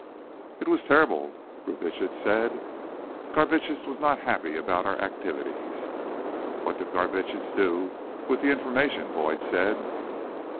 "It was terrible," Brubitsch said. "Garbitsch was not happy about our activities." "What did Garbitsch do with the information?" Boyd said.